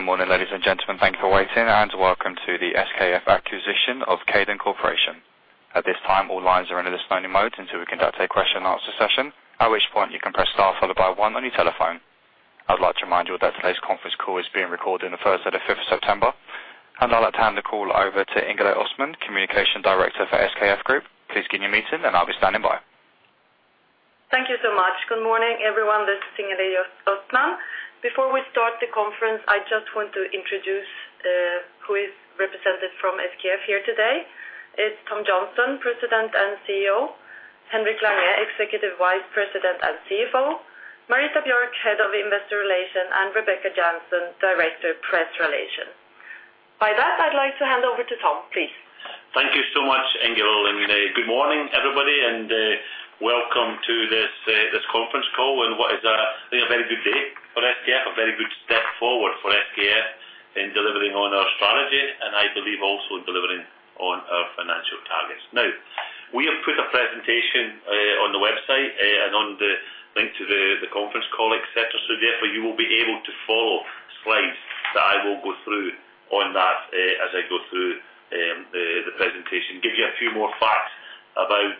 Good morning, ladies and gentlemen. Thank you for waiting, and welcome to the SKF acquisition of Kaydon Corporation. At this time, all lines are in a listening mode until we conduct a question and answer session, at which point you can press star followed by one on your telephone. I'd like to remind you that today's conference call is being recorded on the first of the fifth of September. I'd like to hand the call over to Ingalill Östman, Communication Director for SKF Group. Please begin your meeting, and I'll be standing by. Thank you so much. Good morning, everyone. This is Ingalill Östman. Before we start the conference, I just want to introduce who is represented from SKF here today. It's Tom Johnstone, President and CEO, Henrik Lange, Executive Vice President and CFO, Marita Björk, Head of Investor Relations, and Rebecca Janzon, Director, Press Relations. By that, I'd like to hand over to Tom, please. Thank you so much, Ingalill, and good morning, everybody, and welcome to this this conference call and what is a very good day for SKF, a very good step forward for SKF in delivering on our strategy, and I believe also in delivering on our financial targets. Now, we have put a presentation on the website and on the link to the conference call, et cetera. So therefore, you will be able to follow slides that I will go through on that as I go through the presentation. Give you a few more facts about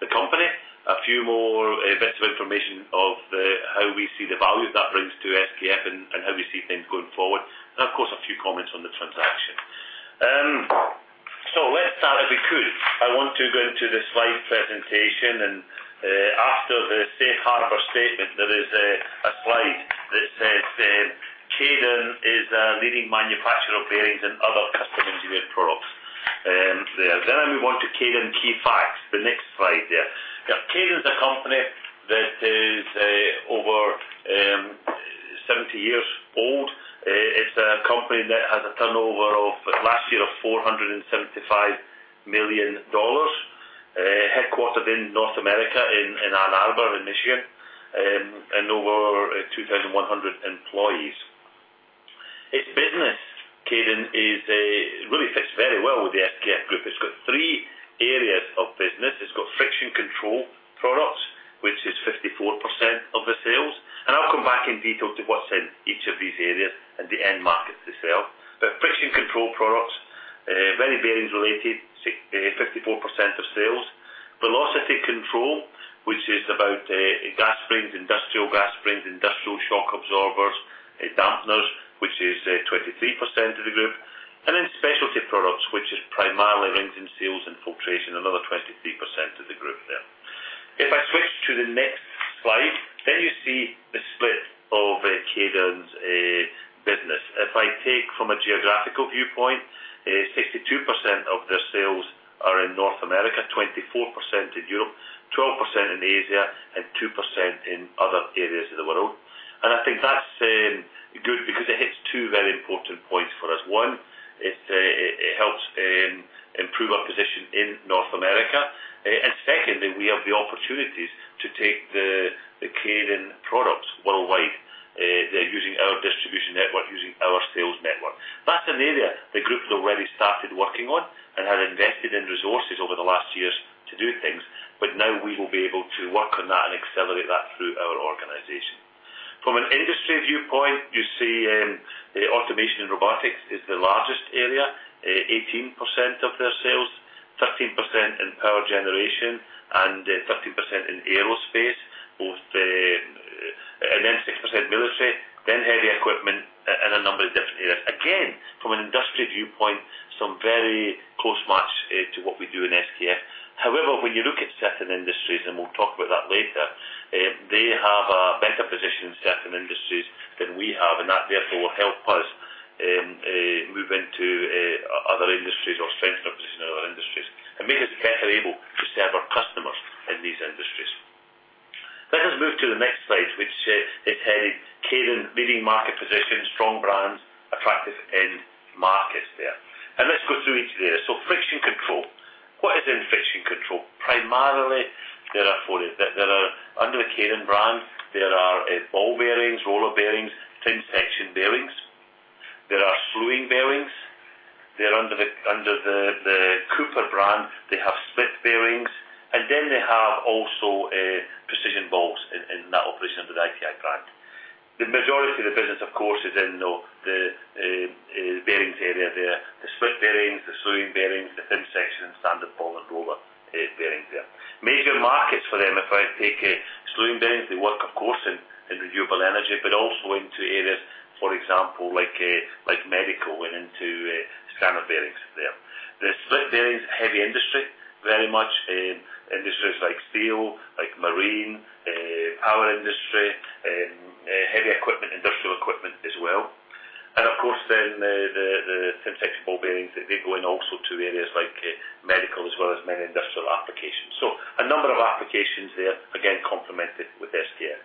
the company, a few more bits of information of how we see the value that brings to SKF and how we see things going forward. And, of course, a few comments on the transaction. So let's start, if we could. I want to go into the slide presentation, and after the safe harbor statement, there is a slide that says Kaydon is a leading manufacturer of bearings and other custom engineered products. And then we move on to Kaydon key facts, the next slide there. Kaydon is a company that is over 70 years old. It's a company that has a turnover of last year of $475 million, headquartered in North America, in Ann Arbor, Michigan, and over 2,100 employees. Its business, Kaydon, really fits very well with the SKF Group. It's got three areas of business. It's got friction control products, which is 54% of the sales. And I'll come back in detail to what's in each of these areas and the end markets they sell. The friction control products, very bearings related, 54% of sales. Velocity control, which is about, gas springs, industrial gas springs, industrial shock absorbers, dampeners, which is, 23% of the group, and in specialty products, which is primarily rent and sales and filtration, another 23% of the group there. If I switch to the next slide, there you see the split of Kaydon's business. If I take from a geographical viewpoint, 62% of their sales are in North America, 24% in Europe, 12% in Asia, and 2% in other areas of the world. And I think that's good because it hits two very important points for us. One, it helps improve our position in North America. And secondly, we have the opportunities to take the Kaydon products worldwide, using our distribution network, using our sales network. That's an area the group has already started working on and has invested in resources over the last years to do things, but now we will be able to work on that and accelerate that through our organization. From an industry viewpoint, you see, the automation and robotics is the largest area, 18% of their sales, 13% in power generation and 13% in aerospace, both. And then 6% military, then heavy equipment and a number of different areas. Again, from an industry viewpoint, some very close match to what we do in SKF. However, when you look at certain industries, and we'll talk about that later, they have a better position in certain industries than we have, and that, therefore, will help us, move into, other industries or strengthen our position in other industries. And make us better able to serve our customers in these industries. Let us move to the next slide, which is, headed, Kaydon, leading market position, strong brands, attractive end markets there. And let's go through each of these. So friction control. What is in friction control? Primarily, there are four. Under the Kaydon brand, there are, ball bearings, roller bearings, thin section bearings. There are Slewing Bearings. They're under the Cooper brand. They have Split Bearings, and then they have also, precision balls in that operation, under the ITI brand. The majority of the business, of course, is in the bearings area there. The split bearings, the slewing bearings, the thin section, and standard ball and roller bearings there. Major markets for them, if I take slewing bearings, they work, of course, in renewable energy, but also into areas, for example, like medical and into standard bearings there. The split bearings, heavy industry, very much industries like steel, like marine, power industry, heavy equipment, industrial equipment as well. And of course, then the thin section ball bearings, they go in also to areas like medical as well as many industrial applications. So a number of applications there, again, complemented with SKF.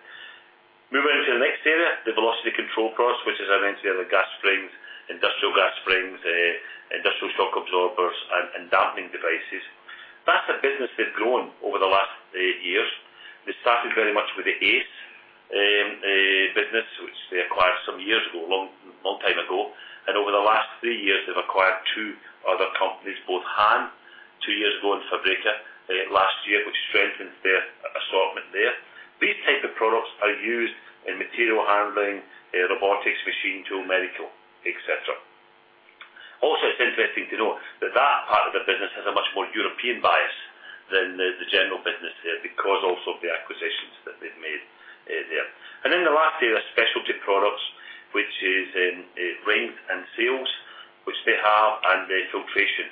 Moving to the next area, the velocity control products, which I mentioned, the gas springs, industrial gas springs, industrial shock absorbers, and dampening devices. That's a business we've grown over the last years. We started very much with the ACE business, which they acquired some years ago, long, long time ago. And over the last three years, they've acquired two other companies, both Hahn two years ago in Fabreeka, last year, which strengthened their assortment there. These type of products are used in material handling, robotics, machine tool, medical, et cetera. Also, it's interesting to note that that part of the business has a much more European bias than the general business there, because also of the acquisitions that they've made there. And then the last area, specialty products, which is in rings and seals, which they have, and the filtration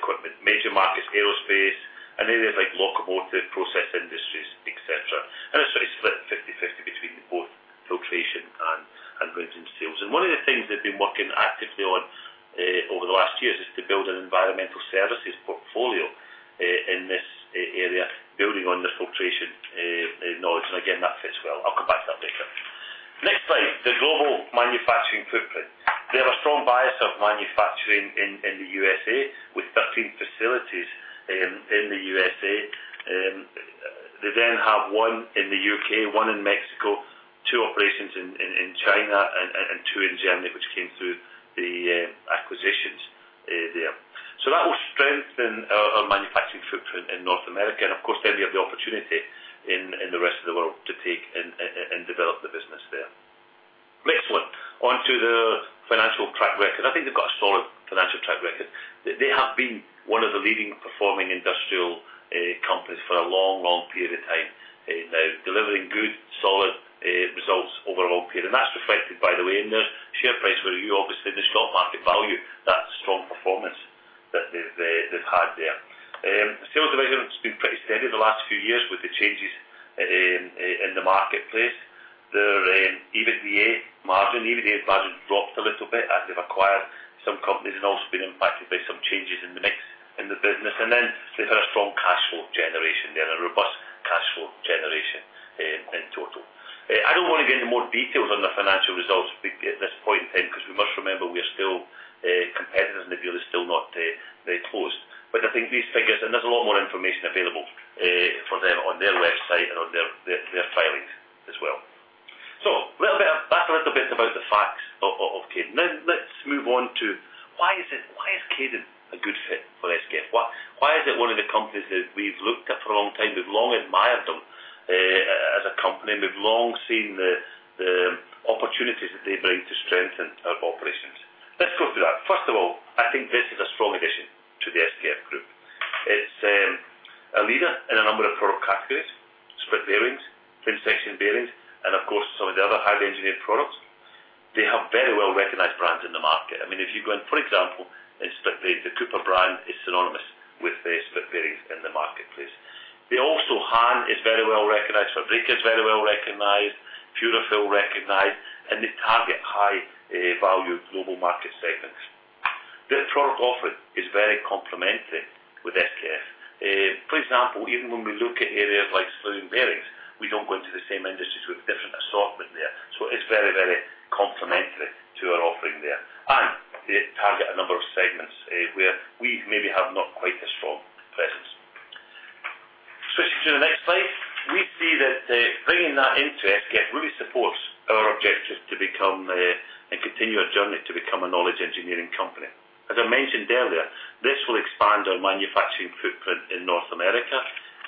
equipment. Major markets, aerospace, and areas like locomotive, process industries, etc. And it's sort of split 50/50 between both filtration and rings and seals. And one of the things they've been working actively on over the last years is to build an environmental services portfolio in this area, building on their filtration knowledge. And again, that fits well. I'll come back to that later. Next slide, the global manufacturing footprint. They have a strong bias of manufacturing in the USA, with 13 facilities in the USA. They then have one in the U.K., one in Mexico, two operations in China and two in Germany, which came through the acquisitions there. So that will strengthen our manufacturing footprint in North America, and of course, then we have the opportunity in the rest of the world to take and develop the business there. Next one, onto the financial track record. I think they've got a solid financial track record. They have been one of the leading performing industrial companies for a long, long period of time, delivering good, solid results over a long period. And that's reflected, by the way, in their share price, where you obviously in the stock market value that strong performance that they've had there. Sales development has been pretty steady the last few years with the changes in the marketplace. Their EBITDA margin, EBITDA margin dropped a little bit as they've acquired some companies and also been impacted by some changes in the mix in the business. And then they've had a strong cash flow generation there, a robust cash flow generation in total. I don't want to get into more details on their financial results at this point in time, because we must remember, we are still competitors, and the deal is still not closed. But I think these figures, and there's a lot more information available for them on their website and on their filings as well. So a little bit. That's a little bit about the facts of Kaydon. Now, let's move on to why is Kaydon a good fit for SKF? Why, why is it one of the companies that we've looked at for a long time? We've long admired them as a company, and we've long seen the opportunities that they bring to strengthen our operations. Let's go through that. First of all, I think this is a strong addition to the SKF Group. It's a leader in a number of product categories, split bearings, thin section bearings, and of course, some of the other highly engineered products. They have very well-recognized brands in the market. I mean, if you go in, for example, in split bearings, the Cooper brand is synonymous with the split bearings in the marketplace. They also, Hahn is very well recognized, Fabrica is very well recognized, Purafil recognized, and they target high value global market segments. Their product offering is very complementary with SKF. For example, even when we look at areas like sleeve bearings, we don't go into the same industries. We have different assortment there. So it's very, very complementary to our offering there. And they target a number of segments, where we maybe have not quite a strong presence. Switching to the next slide, we see that, bringing that into SKF really supports our objectives to become a, and continue our journey to become a knowledge engineering company. As I mentioned earlier, this will expand our manufacturing footprint in North America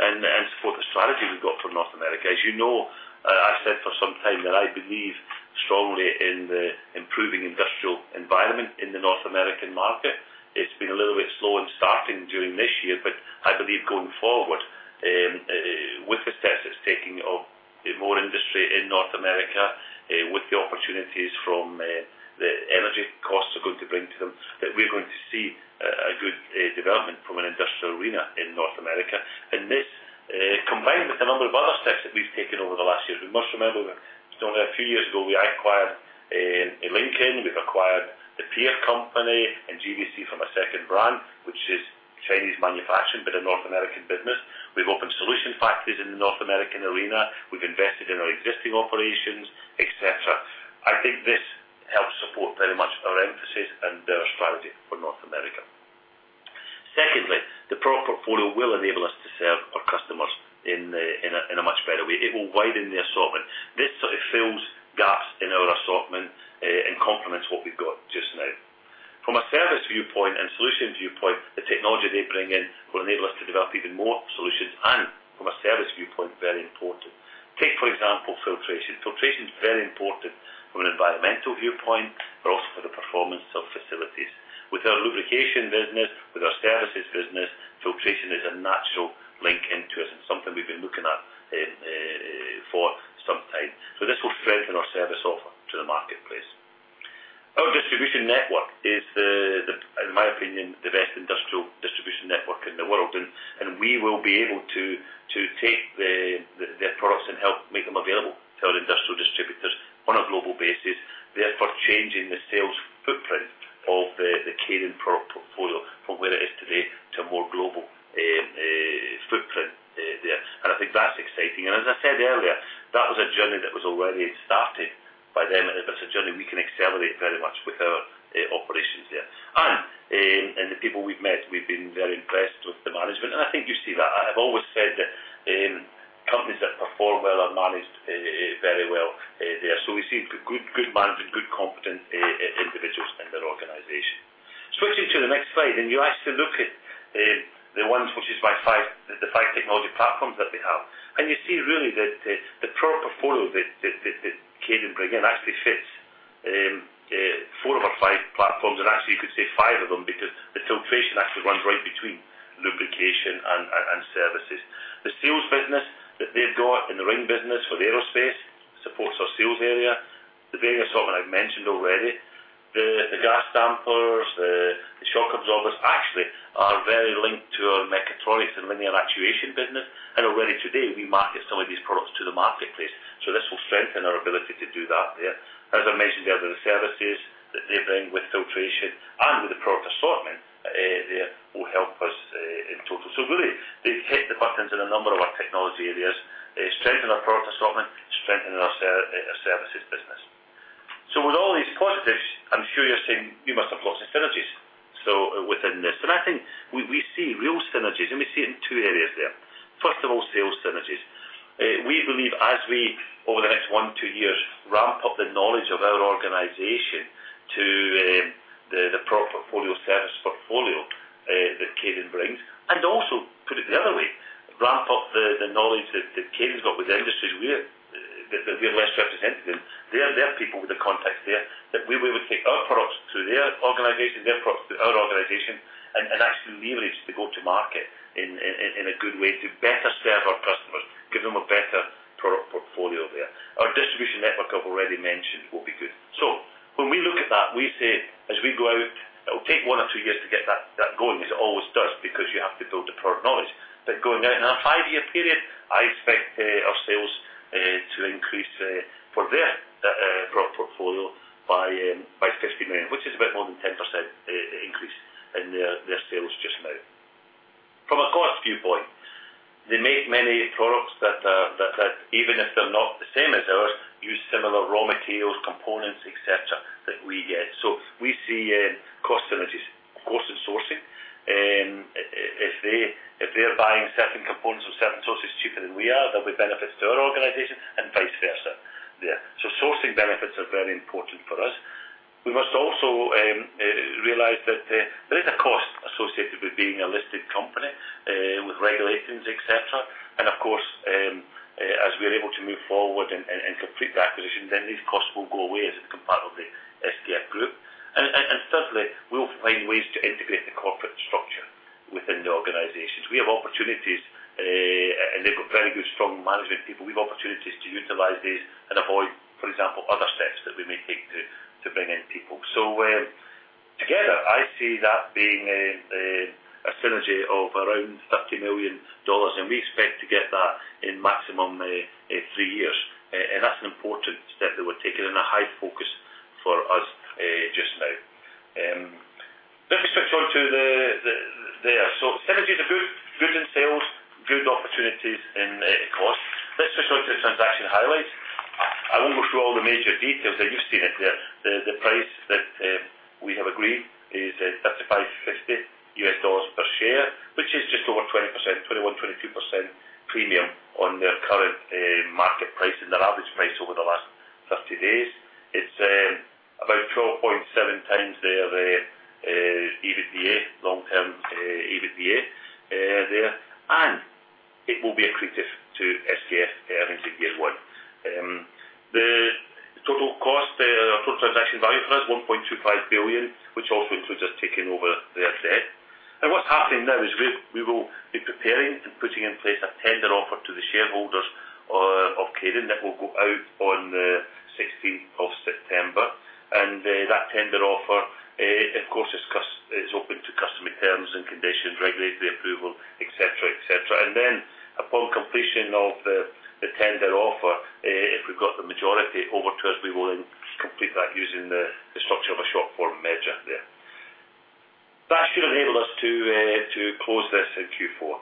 and, and support the strategy we've got for North America. As you know, I've said for some time that I believe strongly in the improving industrial environment in the North American market. It's been a little bit slow in starting during this year, but I believe going forward, with the steps it's taking of more industry in North America, with the opportunities from, the energy costs are going to bring to them, that we're going to see a good development from an industrial arena in North America. And this, combined with a number of other steps that we've taken over the last years, we must remember, it's only a few years ago, we acquired, Lincoln, we've acquired the PEER company and GBC from a second brand, which is Chinese manufacturing, but a North American business. We've opened solution factories in the North American arena. We've invested in our existing operations, et cetera. I think this helps support very much our emphasis and our strategy for North America. Secondly, the product portfolio will enable us to serve our customers in a much better way. It will widen the assortment. This sort of fills gaps in our assortment, and complements what we've got just now. From a service viewpoint and solution viewpoint, the technology they bring in will enable us to develop even more solutions, and from a service viewpoint, very important. Take, for example, filtration. Filtration is very important from an environmental viewpoint, but also for the performance of facilities. With our lubrication business, with our services business, filtration is a natural link into us and something we've been looking at, for some time. So this will strengthen our service offer to the marketplace. Our distribution network is the, in my opinion, the best industrial distribution network in the world, and we will be able to take their products and help make them available to our industrial distributors on a global basis, therefore changing the sales footprint of the Kaydon product portfolio from where it is today to a more global footprint there. And I think that's exciting. And as I said earlier, that was a journey that was already started by them, and it's a journey we can accelerate very much with our operations there. And the people we've met, we've been very impressed with the management, and I think you see that. I have always said that companies that perform well are managed very well there. So we've seen good managing, good competent individuals in their organization. Switching to the next slide, and you actually look at the ones which is by five, the five technology platforms that they have. And you see really the product portfolio that Kaydon bring in actually fits four of our five platforms, and actually you could say five of them, because the filtration actually runs right between lubrication and services. The sales business that they've got in the ring business for the aerospace supports our sales area. The bearing assortment I've mentioned already. The gas dampers, the shock absorbers, actually are very linked to our mechatronics and linear actuation business. And already today, we market some of these products to the marketplace, so this will strengthen our ability to do that there. As I mentioned earlier, the services that they bring with filtration and with the product assortment, there will help us, in total. So really, they've hit the buttons in a number of our technology areas. They strengthen our product assortment, strengthening our services business. So with all these positives, I'm sure you're saying we must have lots of synergies, so within this. And I think we see real synergies, and we see it in two areas there. First of all, sales synergies. We believe as we, over the next 1-2 years, ramp up the knowledge of our organization to the product portfolio, service portfolio that Kaydon brings, and also, put it the other way, ramp up the knowledge that Kaydon's got with the industries we're less represented in. They have their people with the contacts there, that we will take our products to their organization, their products to our organization, and actually leverage the go-to-market in a good way to better serve our customers, give them a better product portfolio there. Our distribution network, I've already mentioned, will be good. So when we look at that, we say, as we go out, it'll take 1 or 2 years to get that going, as it always does, because you have to build the product knowledge. But going out in a 5-year period, I expect our sales to increase for their product portfolio by 50 million, which is about more than 10% increase in their sales just now. From a cost viewpoint, they make many products that even if they're not the same as ours, use similar raw materials, components, et cetera, that we get. So we see cost synergies, cost and sourcing. If they're buying certain components from certain sources cheaper than we are, there'll be benefits to our organization and vice versa there. So sourcing benefits are very important for us. We must also realize that there is a cost associated with being a listed company with regulations, et cetera. And of course, as we are able to move forward and complete the acquisition, then these costs will go away as a part of the SKF group. And thirdly, we'll find ways to integrate the corporate structure within the organizations. We have opportunities, and they've got very good, strong management people. We have opportunities to utilize this and avoid, for example, other steps that we may take to bring in people. So, together, I see that being a synergy of around $30 million, and we expect to get that in maximum, 3 years. And that's an important step that we're taking and a high focus for us, just now. Let me switch on to there. So synergies are good, good in sales, good opportunities in, cost. Let's switch on to the transaction highlights. I won't go through all the major details that you see it there. The price that we have agreed is $35.50 per share, which is just over 20%, 21%-22% premium on their current market price and their average price over the last 30 days. It's about 12.7 times their EBITDA, long-term EBITDA there, and it will be accretive to SKF earnings in year one. The total cost, the total transaction value for us, $1.25 billion, which also includes us taking over their debt. What's happening now is we will be preparing and putting in place a tender offer to the shareholders of Kaydon that will go out on the sixteenth of September. That tender offer, of course, is open to customary terms and conditions, regulatory approval, et cetera, et cetera. And then, upon completion of the tender offer, if we've got the majority over to us, we will then complete that using the structure of a short-form merger there. That should enable us to close this in Q4.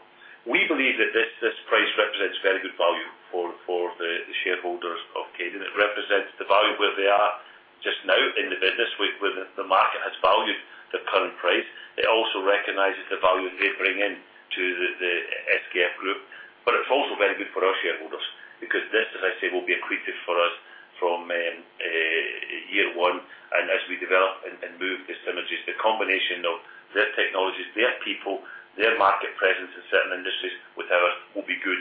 We believe that this price represents very good value for the shareholders of Kaydon. It represents the value where they are just now in the business, where the market has valued the current price. It also recognizes the value they bring in to the SKF group. But it's also very good for our shareholders, because this, as I say, will be accretive for us from year one. As we develop and move the synergies, the combination of their technologies, their people, their market presence in certain industries with ours, will be good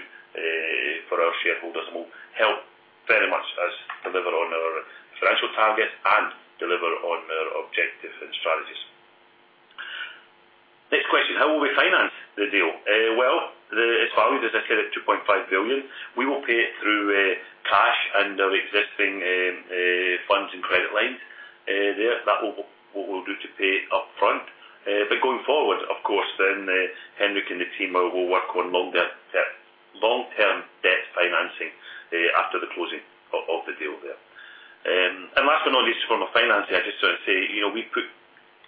for our shareholders and will help very much us deliver on our financial targets and deliver on our objectives and strategies. Next question: How will we finance the deal? Well, it's valued, as I said, at $2.5 billion. We will pay it through cash and our existing funds and credit lines there. That will, what we'll do to pay upfront. But going forward, of course, then, Henrik and the team will work on longer-term long-term debt financing after the closing of the deal there. Last but not least, from a financing, I just want to say, you know, we put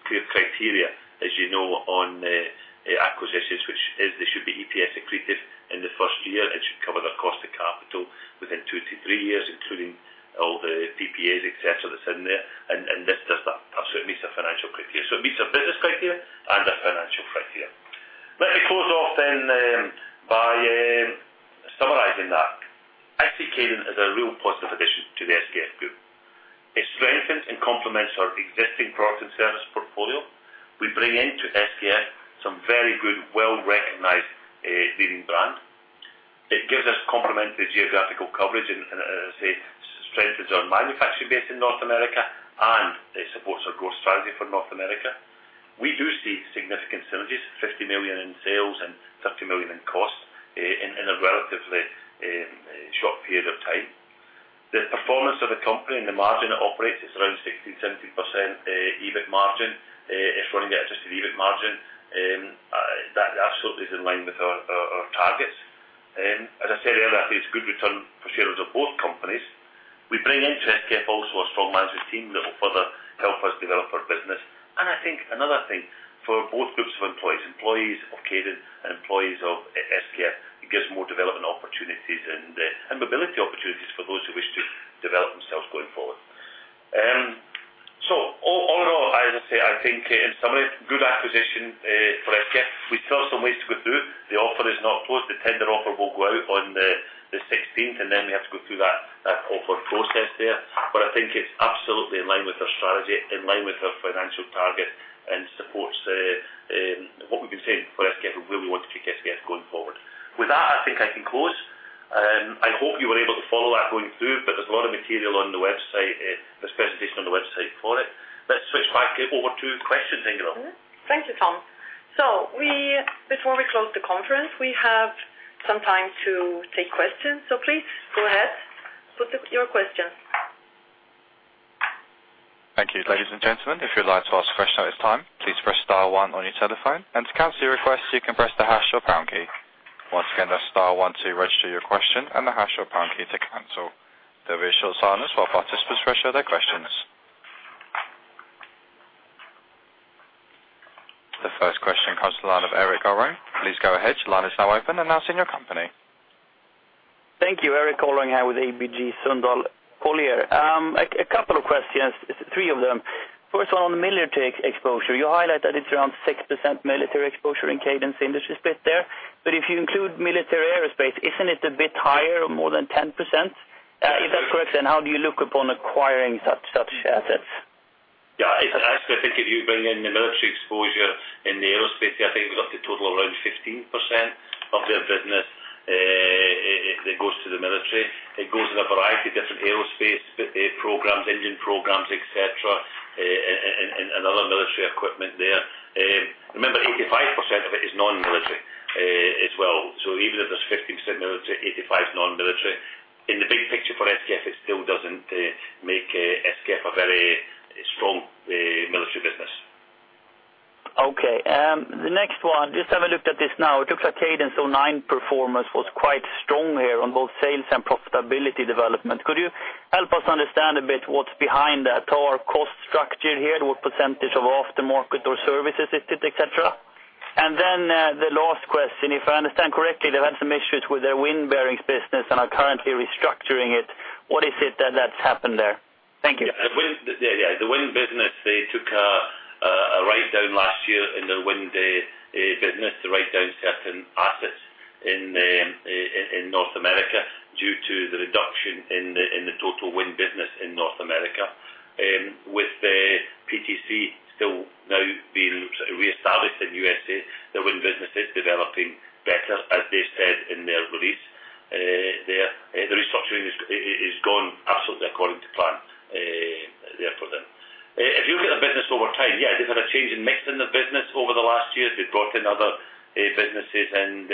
clear criteria, as you know, on acquisitions, which is they should be EPS accretive in the first year, it should cover their cost of. within two to three years, including all the PPAs, et cetera, that's in there, and this does that. Absolutely meets the financial criteria. So it meets our business criteria and our financial criteria. Let me close off then by summarizing that. I see Kaydon as a real positive addition to the SKF group. It strengthens and complements our existing product and service portfolio. We bring into SKF some very good, well-recognized, leading brand. It gives us complementary geographical coverage and, as I say, strengthens our manufacturing base in North America, and it supports our growth strategy for North America. We do see significant synergies, 50 million in sales and 30 million in costs, in a relatively short period of time. The performance of the company and the margin it operates is around 16%-17% EBIT margin. It's running the adjusted EBIT margin that absolutely is in line with our targets. As I said earlier, I think it's a good return for shareholders of both companies. We bring into SKF also a strong management team that will further help us develop our business. And I think another thing, for both groups of employees, employees of Kaydon and employees of SKF, it gives more development opportunities and mobility opportunities for those who wish to develop themselves going forward. All in all, as I say, I think in summary, good acquisition for SKF. We've still got some ways to go through. The offer is not closed. The tender offer will go out on the sixteenth, and then we have to go through that offer process there. But I think it's absolutely in line with our strategy, in line with our financial target, and supports what we've been saying for SKF, we really want to kick SKF going forward. With that, I think I can close. I hope you were able to follow that going through, but there's a lot of material on the website, this presentation on the website for it. Let's switch back over to questions, Ingalill. Thank you, Tom. So, before we close the conference, we have some time to take questions, so please go ahead with your question. Thank you. Ladies and gentlemen, if you'd like to ask a question at this time, please press star one on your telephone, and to cancel your request, you can press the hash or pound key. Once again, that's star one to register your question and the hash or pound key to cancel. There will be a short silence while participants register their questions. The first question comes from the line of Erik Øwre-Johnsen. Please go ahead. Your line is now open, and I'll see your company. Thank you. Erik Øwre-Johnsen here with ABG Sundal Collier. A couple of questions, three of them. First of all, on the military exposure, you highlight that it's around 6% military exposure in Kaydon Industrial split there, but if you include military aerospace, isn't it a bit higher, more than 10%? If that's correct, then how do you look upon acquiring such assets? Yeah, I actually think if you bring in the military exposure in the aerospace, I think it's up to total around 15% of their business that goes to the military. It goes in a variety of different aerospace programs, engine programs, et cetera, and other military equipment there. Remember, 85% of it is non-military as well. So even if there's 15% military, 85% is non-military. In the big picture for SKF, it still doesn't make SKF a very strong military business. Okay. The next one, just have a look at this now. It looks like Kaydon's Q4 performance was quite strong here on both sales and profitability development. Could you help us understand a bit what's behind that or cost structure here, what percentage of aftermarket or services it did, et cetera? And then, the last question, if I understand correctly, they've had some issues with their wind bearings business and are currently restructuring it. What is it that's happened there? Thank you. Yeah, the wind, yeah, yeah. The wind business, they took a write down last year in their wind business to write down certain assets in North America, due to the reduction in the total wind business in North America. With the PTC still now being reestablished in USA, the wind business is developing better, as they said in their release. Their restructuring is gone absolutely according to plan, there for them. If you look at their business over time, yeah, they've had a change in mix in their business over the last year. They've brought in other businesses and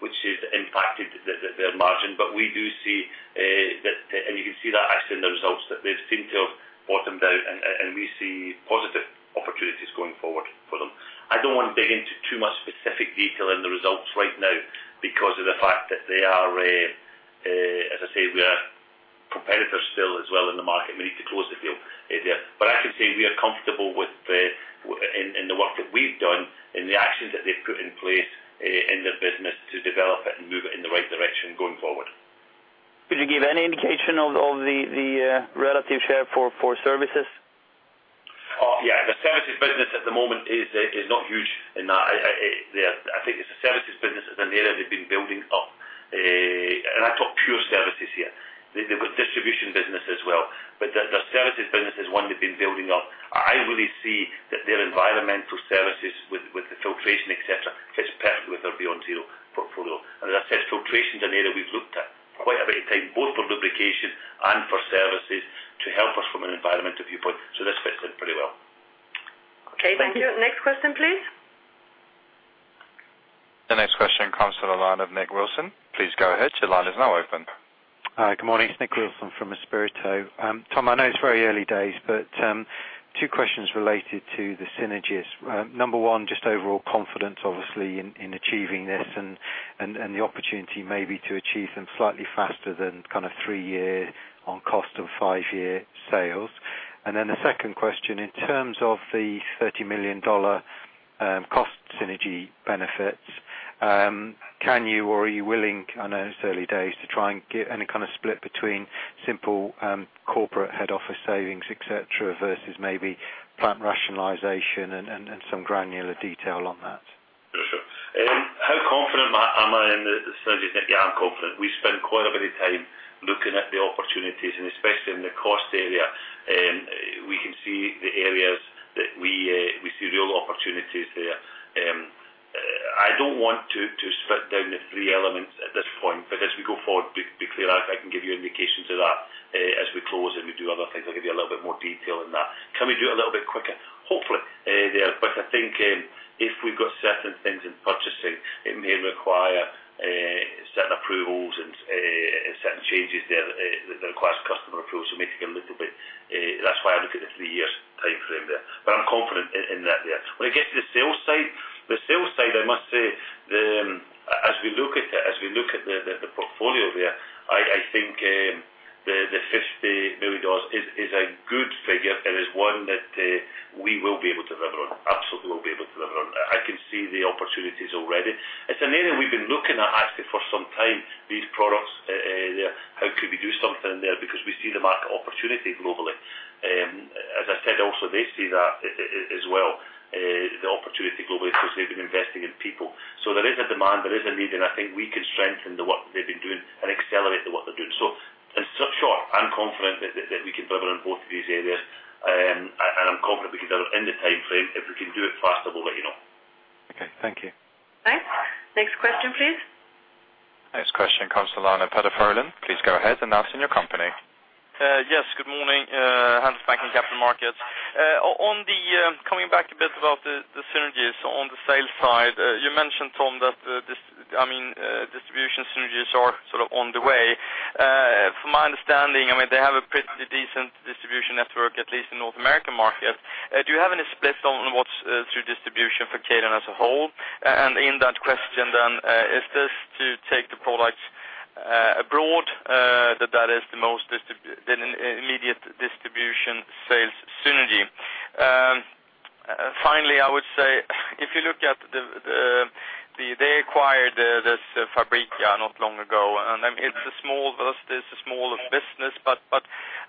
which has impacted their margin. But we do see that, and you can see that actually in the results, that they've seemed to have bottomed out, and we see positive opportunities going forward for them. I don't want to dig into too much specific detail in the results right now, because of the fact that they are—as I say, we are competitors still as well in the market. We need to close the field there. But I can say we are comfortable with the work that we've done and the actions that they've put in place in their business to develop it and move it in the right direction going forward. Could you give any indication of the relative share for services? Oh, yeah. The services business at the moment is not huge in that, yeah. I think it's the services business is an area they've been building up, and I talk pure services here. They, they've got distribution business as well, but the services business is one they've been building up. I really see that their environmental services with the filtration, et cetera, fits perfectly with our Beyond Zero portfolio. And as I said, filtration is an area we've looked at for quite a bit of time, both for lubrication and for services, to help us from an environmental viewpoint. So this fits in pretty well. Okay, thank you. Next question, please. The next question comes to the line of Nick Wilson. Please go ahead. Your line is now open. Hi, good morning. It's Nick Wilson from Espírito Santo. Tom, I know it's very early days, but, two questions related to the synergies. Number one, just overall confidence, obviously, in achieving this and the opportunity maybe to achieve some slightly faster than kind of three-year on cost and five-year sales. And then the second question, in terms of the $30 million cost synergy benefits. Can you or are you willing, I know it's early days, to try and get any kind of split between simple, corporate head office savings, et cetera, versus maybe plant rationalization and some granular detail on that? For sure. How confident am I in the synergies? Yeah, I'm confident. We spent quite a bit of time looking at the opportunities, and especially in the cost area, we can see the areas that we see real opportunities there. I don't want to split down the three elements at this point, but as we go forward, be clear, I can give you indications of that, as we close and we do other things, I'll give you a little bit more detail on that. Can we do it a little bit quicker? Hopefully, there, but I think, if we've got certain things in purchasing, it may require certain approvals and certain changes there that requires customer approval. So make it a little bit. That's why I look at the 3 years timeframe there, but I'm confident in that there. When it gets to the sales side, the sales side, I must say, as we look at it, as we look at the portfolio there, I think the $50 million is a good figure and is one that we will be able to deliver on, absolutely will be able to deliver on. I can see the opportunities already. It's an area we've been looking at actually for some time, these products there, how could we do something there? Because we see the market opportunity globally. As I said, also, they see that as well, the opportunity globally, because they've been investing in people. There is a demand, there is a need, and I think we can strengthen the work they've been doing and accelerate the work they're doing. In short, I'm confident that we can deliver on both of these areas, and I'm confident we can deliver in the timeframe. If we can do it faster, we'll let you know. Okay, thank you. Thanks. Next question, please. Next question comes from Lana Paderfolin. Please go ahead and announce in your company. Yes. Good morning, Handelsbanken Capital Markets. On the coming back a bit about the synergies on the sales side, you mentioned, Tom, that this, I mean, distribution synergies are sort of on the way. From my understanding, I mean, they have a pretty decent distribution network, at least in North American market. Do you have any split on what's through distribution for Kaydon as a whole? And in that question then, is this to take the products abroad that is the most dist-- the immediate distribution sales synergy? Finally, I would say, if you look at the they acquired this Fabrica not long ago, and I mean, it's a small versus a small business, but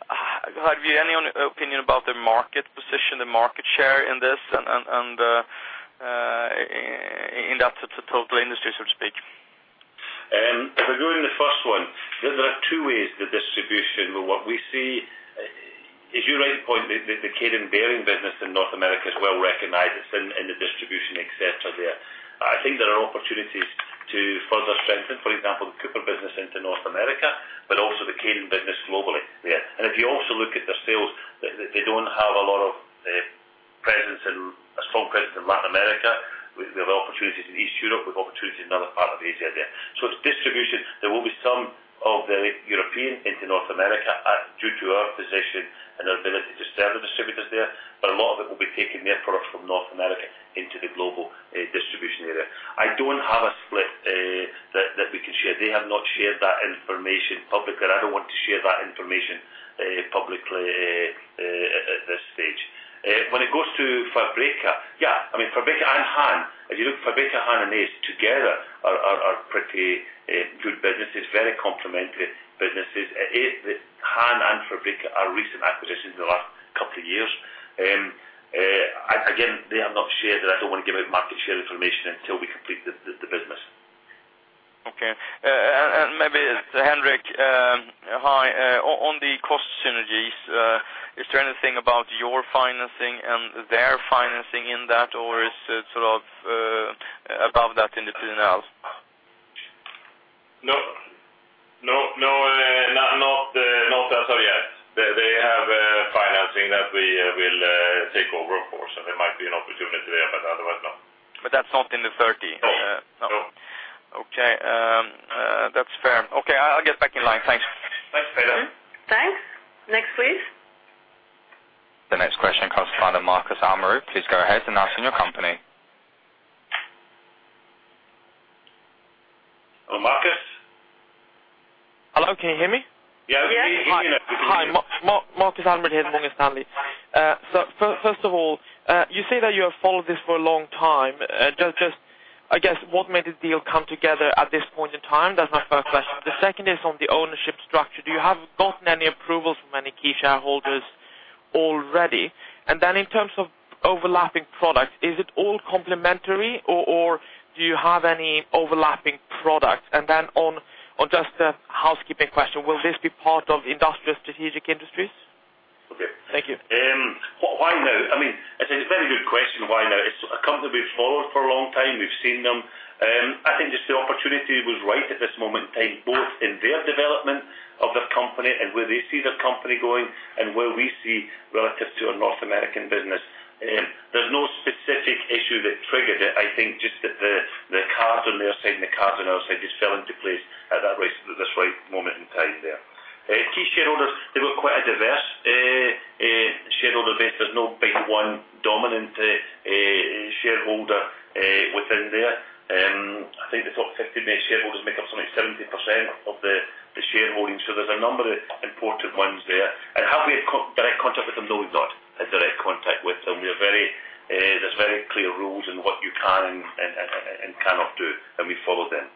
have you any opinion about the market position, the market share in this and in that total industry, so to speak? If I go in the first one, there, there are two ways the distribution will work. We see, as you rightly point, the Kaydon Bearing business in North America is well recognized. It's in the distribution, et cetera, there. I think there are opportunities to further strengthen, for example, the Cooper business into North America, but also the Kaydon business globally there. And if you also look at the sales, they don't have a lot of presence in a strong presence in Latin America. We have opportunities in East Europe, we have opportunities in other parts of the Asia there. So it's distribution. There will be some of the European into North America, due to our position and our ability to serve the distributors there, but a lot of it will be taking their products from North America into the global distribution area. I don't have a split that we can share. They have not shared that information publicly. I don't want to share that information publicly at this stage. When it goes to Fabrica, yeah, I mean, Fabrica and Hahn, if you look Fabrica, Hahn and ACE together are pretty good businesses, very complementary businesses. Hahn and Fabrica are recent acquisitions in the last couple of years. Again, they have not shared that. I don't want to give out market share information until we complete the business. Okay. And maybe Henrik, hi, on the cost synergies, is there anything about your financing and their financing in that, or is it sort of above that in the turnaround? No. No, no, not, not, not as of yet. They, they have financing that we will take over, of course, and there might be an opportunity there, but otherwise, no. But that's not in the 30? No. No. Okay, that's fair. Okay, I'll get back in line. Thanks. Thanks, Peter. Thanks. Next, please. The next question comes from Marcus Sherling. Please go ahead and announce your company. Hello, Marcus. Hello, can you hear me? Yeah. Yes. Hi, Marcus Sherling here with Morgan Stanley. So first of all, you say that you have followed this for a long time. Just, I guess, what made the deal come together at this point in time? That's my first question. The second is on the ownership structure. Do you have gotten any approvals from any key shareholders already? And then in terms of overlapping products, is it all complementary, or do you have any overlapping products? And then on just a housekeeping question, will this be part of industrial strategic industries? Okay. Thank you. Why now? I mean, it's a very good question, why now? It's a company we've followed for a long time. We've seen them. I think just the opportunity was right at this moment in time, both in their development of their company and where they see their company going and where we see relative to our North American business. There's no specific issue that triggered it. I think just that the cards on their side and the cards on our side just fell into place at this right moment in time there. Key shareholders, they were quite a diverse shareholder base. There's no big one dominant shareholder within there. I think the top 50 shareholders make up something like 70% of the shareholding. So there's a number of important ones there. Have we had direct contact with them? No, we've not had direct contact with them. We are very, there's very clear rules in what you can and cannot do, and we follow them.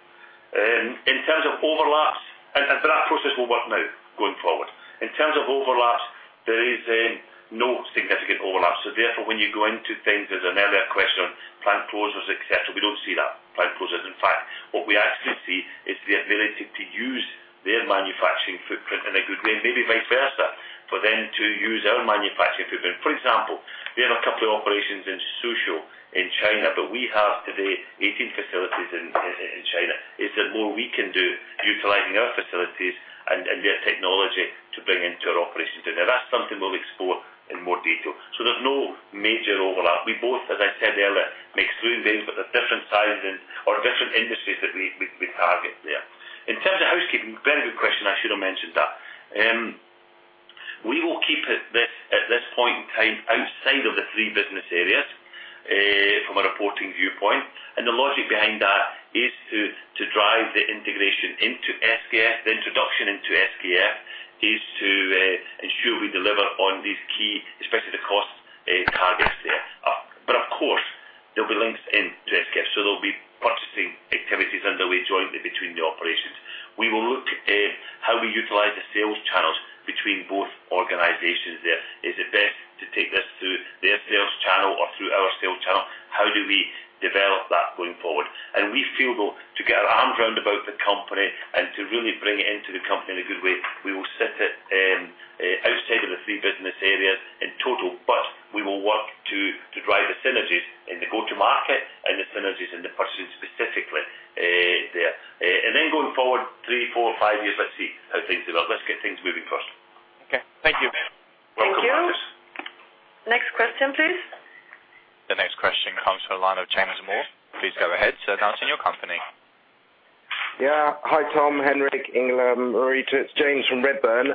In terms of overlaps, that process will work now going forward. In terms of overlaps, there is no significant overlap. So therefore, when you go into things, there's an earlier question on plant closures, et cetera. We don't see that, plant closures. In fact, what we actually see is the ability to use their manufacturing footprint in a good way, and maybe vice versa, for them to use our manufacturing footprint. For example, we have a couple of operations in Suzhou, China, but we have today 18 facilities in China. Is there more we can do utilizing our facilities and their technology to bring into our operations today? That's something we'll explore in more detail. So there's no major overlap. We both, as I said earlier, make screw things, but they're different sizes or different industries that we target there. In terms of housekeeping, very good question. I should have mentioned that. We will keep it at this point in time, outside of the three business areas, from a reporting viewpoint. The logic behind that is to drive the integration into SKF. The introduction into SKF is to ensure we deliver on these key, especially the cost, targets there. But of course, there'll be links in to SKF, so there'll be purchasing activities underway jointly between the operations. We will look at how we utilize the sales channels between both organizations there. Is it best to take this through their sales channel or through our sales channel? How do we develop that going forward? We feel, though, to get our arms around the company and to really bring it into the company in a good way, we will set it outside of the 3 business areas in total, but we will work to drive the synergies in the go-to market and the synergies in the purchasing specifically, there. And then going forward 3, 4, 5 years, let's see how things develop. Let's get things moving first. Okay, thank you. Welcome. Thank you. Next question, please. The next question comes from the line of James Moore. Please go ahead, announcing your company. Yeah. Hi, Tom, Henrik, Ingalill, Marita. It's James from Redburn.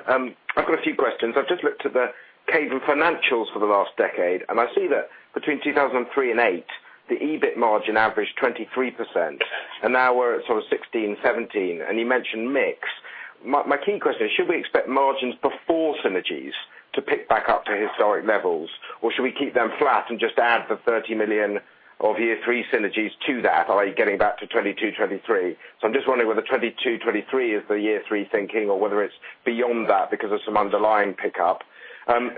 I've got a few questions. I've just looked at the Kaydon financials for the last decade, and I see that between 2003 and 2008, the EBIT margin averaged 23%, and now we're at sort of 16-17, and you mentioned mix. My key question is, should we expect margins before synergies to pick back up to historic levels? Or should we keep them flat and just add the $30 million of year three synergies to that, are you getting back to 22-23? So I'm just wondering whether 22-23 is the year three thinking, or whether it's beyond that because of some underlying pickup.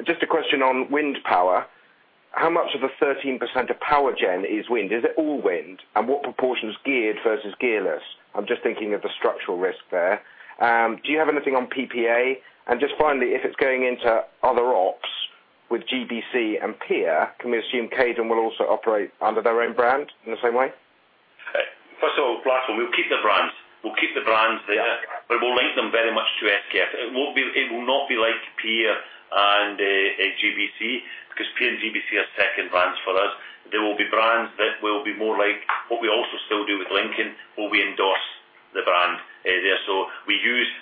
Just a question on wind power. How much of the 13% of power gen is wind? Is it all wind? And what proportion is geared versus gearless? I'm just thinking of the structural risk there. Do you have anything on PPA? And just finally, if it's going into other ops with GBC and Peer, can we assume Kaydon will also operate under their own brand in the same way? First of all, last one, we'll keep the brands. We'll keep the brands there, but we'll link them very much to SKF. It won't be. It will not be like Peer and GBC, because Peer and GBC are second brands for us. They will be brands that will be more like what we also still do with Lincoln, where we endorse the brand there.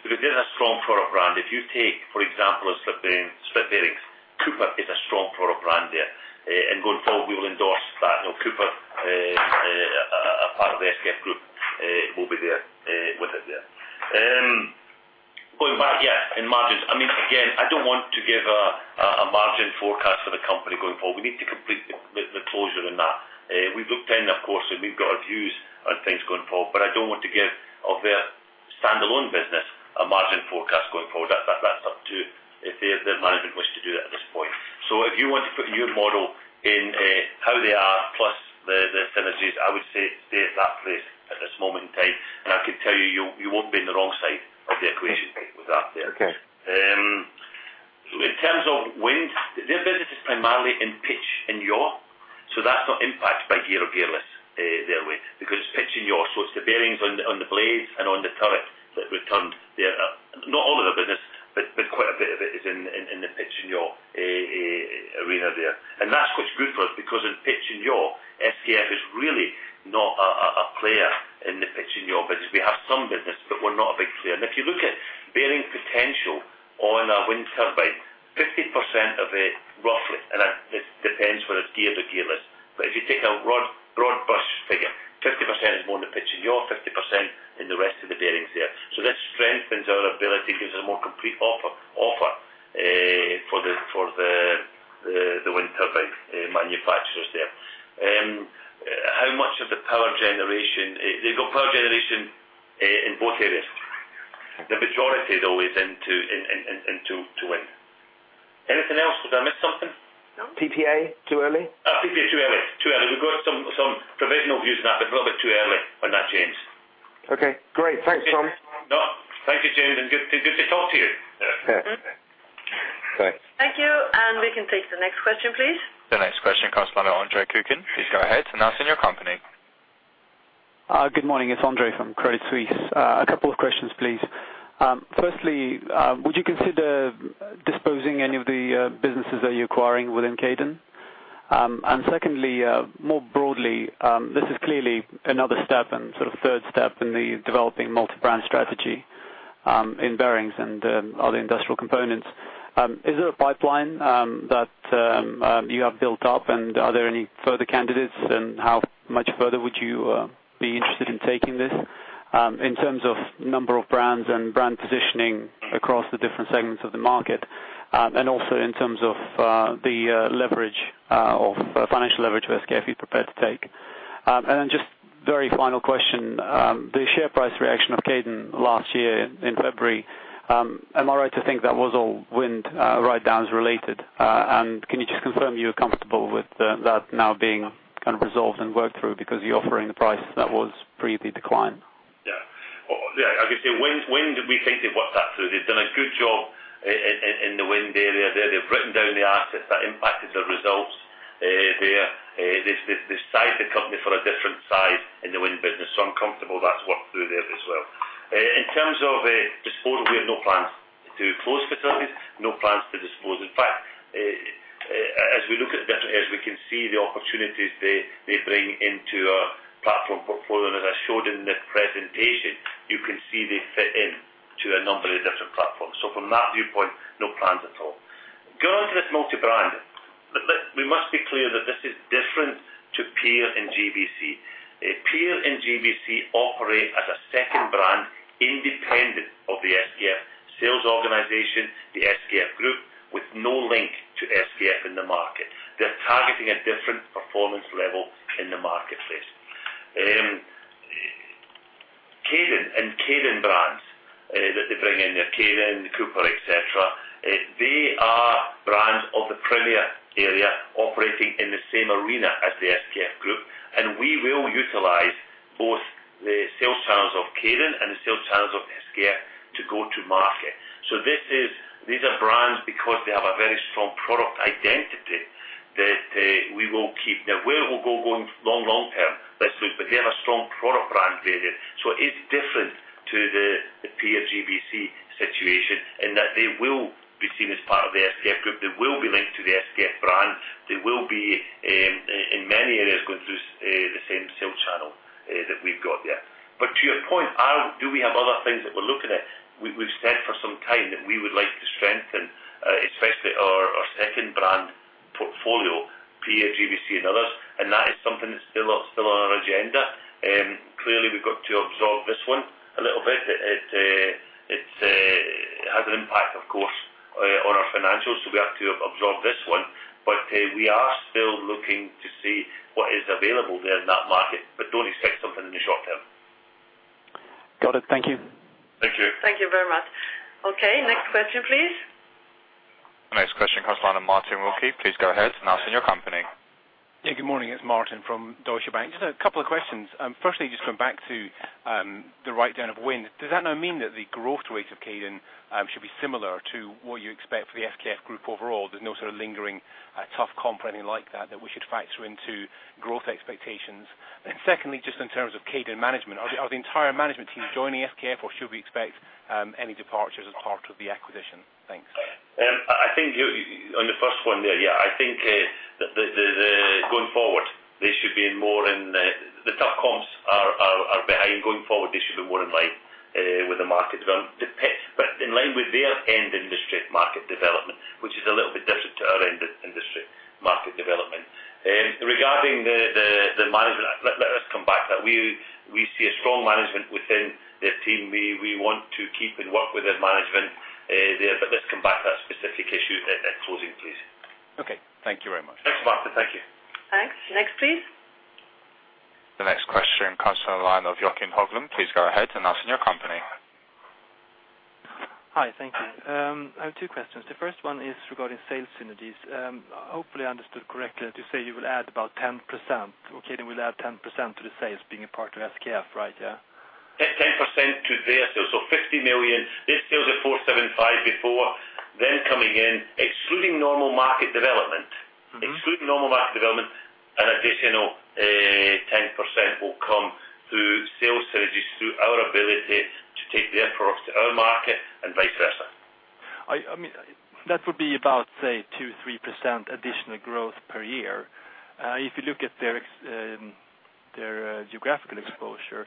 Because they have a strong product brand. If you take, for example, a slew ring, split bearings, Cooper is a strong product brand there. And going forward, we will endorse that. You know, Cooper, a part of the SKF group, will be there with it there. Going back, yeah, in margins, I mean, again, I don't want to give a margin forecast for the company going forward. We need to complete the closure on that. We've looked in, of course, and we've got our views on things going forward, but I don't want to give of their standalone business a margin forecast going forward. That, that's up to if the management wished to do that at this point. So if you want to put your model in, how they are, plus the synergies, I would say stay at that place at this moment in time. And I can tell you, you won't be in the wrong side of the equation with that there. Okay. In terms of wind, their business is primarily in pitch and yaw, so that's not impacted by gear or gearless, their way, because it's pitch and yaw. So it's the bearings on the blades and on the turret that we've turned there. Not all of their business, but quite a bit of it is in the pitch and yaw arena there. And that's what's good for us, because in pitch and yaw, SKF is really not a player in the pitch and yaw business. We have some business, but we're not a big player. And if you look at bearing potential on a wind turbine, 50% of it, roughly, and that depends whether it's geared or gearless. But if you take a broad, broad-brush figure, 50% is more in the Pitch and yaw, 50% in the rest of the bearings there. So this strengthens our ability, gives us a more complete offer for the wind turbine manufacturers there. How much of the power generation? They've got power generation in both areas. The majority, though, is into wind. Anything else? Did I miss something? No. PPA, too early? PPA, too early. Too early. We've got some provisional views on that, but a little bit too early on that, James. Okay, great. Thanks, Tom. No, thank you, James, and good to, good to talk to you. Yeah. Okay. Thanks. Thank you. We can take the next question, please. The next question comes from André Kukhnin. Please go ahead, announcing your company. Good morning. It's André from Credit Suisse. A couple of questions, please. Firstly, would you consider disposing any of the businesses that you're acquiring within Kaydon? And secondly, more broadly, this is clearly another step and sort of third step in the developing multi-brand strategy in bearings and other industrial components. Is there a pipeline that you have built up, and are there any further candidates, and how much further would you be interested in taking this in terms of number of brands and brand positioning across the different segments of the market? And also in terms of the leverage of financial leverage with SKF, if you're prepared to take. And then just very final question, the share price reaction of Kaydon last year in February, am I right to think that was all wind write-downs related? And can you just confirm you're comfortable with that now being kind of resolved and worked through because you're offering a price that was pre the decline? Yeah. Well, yeah, I would say wind, wind, we think they've worked that through. They've done a good job in the wind area there. They've written down the assets that impacted their results. They sized the company for a different size in the wind business, so I'm comfortable that's worked through there as well. In terms of disposal, we have no plans to close facilities, no plans to dispose. In fact, as we look at different areas, we can see the opportunities they bring into our platform portfolio. And as I showed in the presentation, you can see they fit in to a number of different platforms. So from that viewpoint, no plans at all. Going to this multi-brand, look, look, we must be clear that this is different to Peer and GBC. Peer and GBC operate as a second brand, independent of the SKF sales organization, the SKF Group, with no link to SKF in the market. They're targeting a different performance level in the marketplace. Kaydon and Kaydon brands, that they bring in there, Kaydon, Cooper, et cetera, they are brands of the premier area operating in the same arena as the SKF Group, and we will utilize both the sales channels of Kaydon and the sales channels of SKF to go to market. So this is, these are brands because they have a very strong product identity that we will keep. Now, where we'll go going long, long term, let's see, but they have a strong product brand there. So it's different to the Peer GBC situation, in that they will be seen as part of the SKF Group. They will be linked to the SKF brand. They will be in many areas going through the same sales channel that we've got there. But to your point, I'll. Do we have other things that we're looking at? We've said for some time that we would like to strengthen especially our second brand portfolio, Peer, GBC, and others, and that is something that's still on, still on our agenda. Clearly, we've got to absorb this one a little bit. It has an impact, of course, on our financials, so we have to absorb this one. But we are still looking to see what is available there in that market, but don't expect something in the short term. Got it. Thank you. Thank you. Thank you very much. Okay, next question, please. The next question comes from Martin Wilkie. Please go ahead and announce your company. Yeah, good morning. It's Martin from Deutsche Bank. Just a couple of questions. Firstly, just come back to the write-down of wind. Does that now mean that the growth rate of Kaydon should be similar to what you expect for the SKF Group overall? There's no sort of lingering tough comp or anything like that that we should factor into growth expectations. Secondly, just in terms of Kaydon management, are the entire management team joining SKF, or should we expect any departures as part of the acquisition? Thanks. I think on the first one there, I think the going forward, they should be more in the. The tough comps are behind. Going forward, they should be more in line with the market development. But in line with their end industry market development, which is a little bit different to our end industry market development. Regarding the management, let us come back to that. We see a strong management within their team. We want to keep and work with their management there, but let's come back to that specific issue at closing, please. Okay, thank you very much. Thanks, Martin. Thank you. Thanks. Next, please. The next question comes from the line of Joachim Haglin. Please go ahead and announce your company. Hi, thank you. I have two questions. The first one is regarding sales synergies. Hopefully, I understood correctly that you say you will add about 10%, or Kaydon will add 10% to the sales being a part of SKF, right? Yeah. 10% to their sales. So $50 million. Their sales are $475 million before them coming in, excluding normal market development- Mm-hmm. Excluding normal market development, an additional 10% will come through sales synergies, through our ability to take their products to our market and vice versa. I mean, that would be about, say, 2%-3% additional growth per year. If you look at their geographical exposure,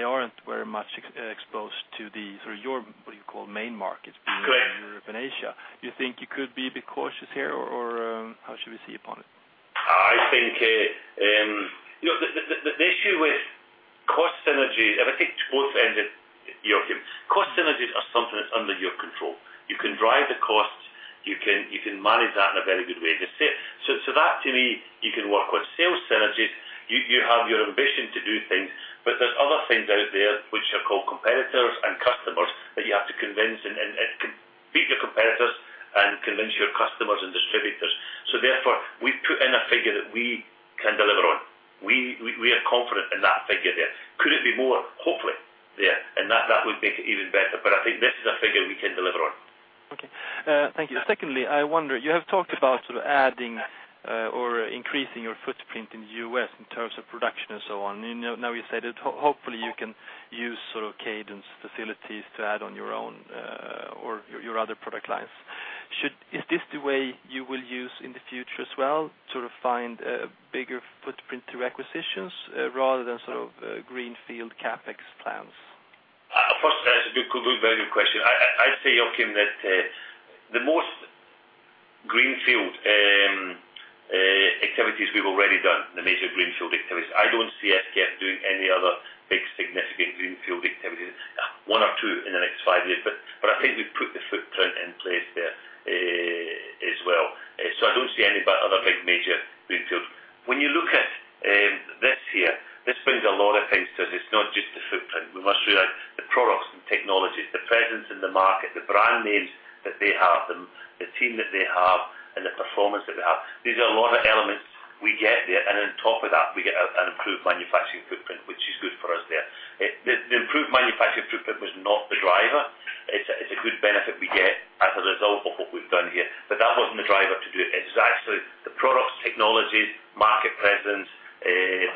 they aren't very much exposed to the sort of your what you call main markets- Correct. Europe and Asia. Do you think you could be a bit cautious here, or, or, how should we see upon it? I think, You know, the issue with cost synergy, and I think both ended, Joachim. Cost synergies are something that's under your control. You can drive the costs. You can manage that in a very good way to save. So that to me, you can work on sales synergies. You have your ambition to do things, but there's other things out there which are called competitors and customers, that you have to convince and beat your competitors and convince your customers and distributors. So therefore, we put in a figure that we can deliver on. We are confident in that figure there. Could it be more? Hopefully, yeah, and that would make it even better. But I think this is a figure we can deliver on. Okay, thank you. Secondly, I wonder, you have talked about sort of adding or increasing your footprint in the US in terms of production and so on. Now, you said that hopefully you can use sort of Kaydon's facilities to add on your own or your other product lines. Should—Is this the way you will use in the future as well, to sort of find a bigger footprint through acquisitions rather than sort of greenfield CapEx plans? First, that's a good, very good question. I'd say, Joachim, that, Greenfield activities we've already done, the major greenfield activities. I don't see SKF doing any other big significant greenfield activities, one or two in the next five years, but I think we've put the footprint in place there, as well. So I don't see any other big major greenfields. When you look at this year, this brings a lot of things to us. It's not just the footprint. We must realize the products and technologies, the presence in the market, the brand names that they have, and the team that they have, and the performance that they have. These are a lot of elements we get there, and on top of that, we get an improved manufacturing footprint, which is good for us there. The improved manufacturing footprint was not the driver. It's a good benefit we get as a result of what we've done here, but that wasn't the driver to do it. It's actually the products, technologies, market presence,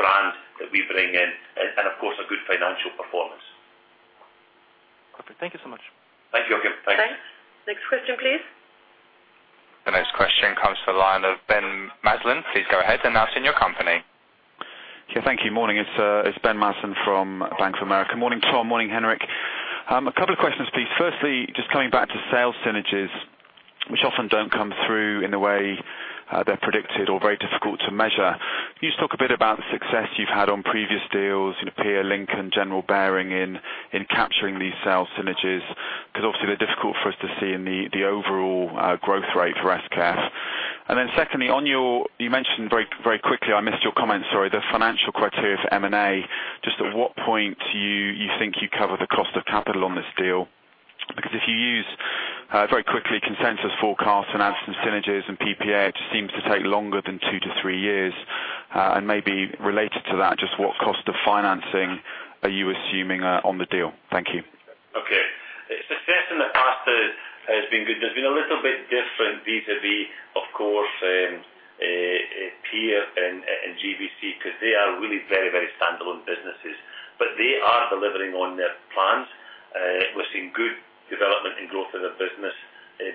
brand that we bring in, and of course, a good financial performance. Perfect. Thank you so much. Thank you, again. Thanks. Thanks. Next question, please. The next question comes from the line of Ben Sheridan. Please go ahead and announce in your company. Yeah, thank you. Morning, it's Ben Sheridan from Bank of America Merrill Lynch. Morning, Tom. Morning, Henrik. A couple of questions, please. Firstly, just coming back to sales synergies, which often don't come through in the way they're predicted or very difficult to measure. Can you just talk a bit about the success you've had on previous deals, you know, Peer, Lincoln, General Bearing, in capturing these sales synergies? Because obviously, they're difficult for us to see in the overall growth rate for SKF. And then secondly, on your. You mentioned very, very quickly, I missed your comment, sorry, the financial criteria for M&A. Just at what point you think you cover the cost of capital on this deal? Because if you use, very quickly, consensus forecast and add some synergies and PPA, it just seems to take longer than 2-3 years. And maybe related to that, just what cost of financing are you assuming, on the deal? Thank you. Okay. Success in the past has been good. There's been a little bit different vis-à-vis, of course, Peer and GBC, because they are really very, very standalone businesses. But they are delivering on their plans. We're seeing good development and growth in their business,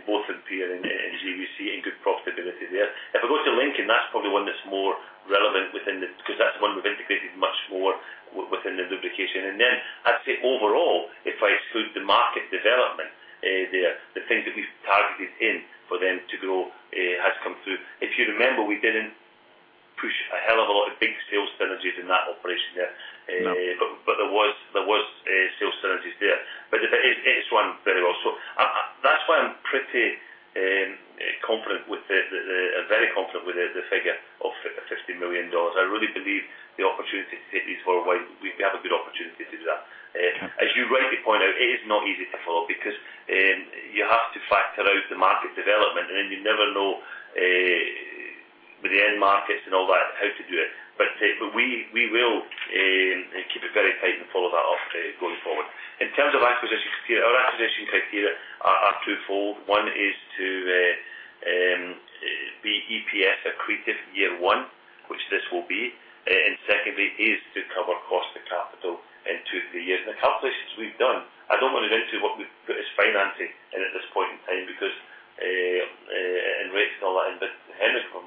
both in Peer and GBC, and good profitability there. If I go to Lincoln, that's probably one that's more relevant within the—because that's one we've integrated much more within the lubrication. And then, I'd say overall, if I exclude the market development there, the things that we've targeted in for them to grow has come through. If you remember, we didn't push a hell of a lot of big sales synergies in that operation there. No. But there was sales synergies there. But it is run very well. That's why I'm pretty confident, very confident with the figure of $50 million. I really believe the opportunity to take these forward, we have a good opportunity to do that. As you rightly point out, it is not easy to follow because you have to factor out the market development, and then you never know with the end markets and all that, how to do it. But we will keep it very tight and follow that up going forward. In terms of acquisition criteria, our acquisition criteria are twofold. One is to be EPS accretive year one, which this will be. and secondly, is to cover cost of capital in two to three years. The calculations we've done, I don't want to get into what we've put as financing in at this point in time because, and rates and all that. But Henrik, from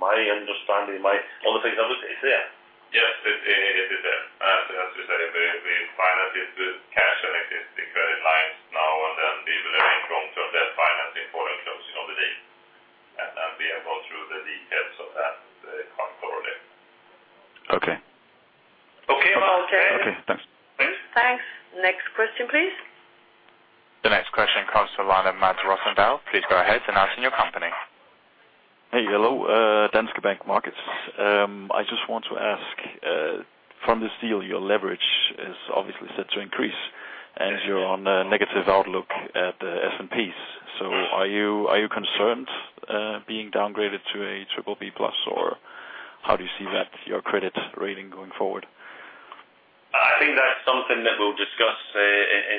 my understanding, all the things I would say, it's there? Yes, it is there. And as we say, we finance it with cash and existing credit lines now, and then we will bring through on that financing before and closing of the day. And we will go through the details of that, going forward. Okay. Okay. Okay. Okay, thanks. Thanks. Next question, please. The next question comes from the line of Mads Rosendal. Please go ahead and announce in your company. Hey, hello, Danske Bank Markets. I just want to ask, from this deal, your leverage is obviously set to increase, and you're on a negative outlook at the S&Ps. So are you, are you concerned, being downgraded to a triple B plus, or how do you see that, your credit rating going forward? I think that's something that we'll discuss